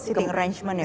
sitting arrangement ya bu